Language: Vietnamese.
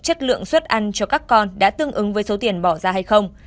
chất lượng suất ăn cho các con đã tương ứng với số tiền bỏ ra hay không